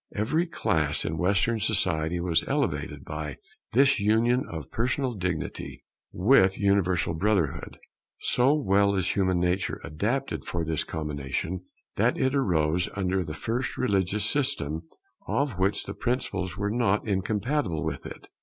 Every class in Western Society was elevated by this union of personal dignity with universal brotherhood. So well is human nature adapted for this combination, that it arose under the first religious system of which the principles were not incompatible with it.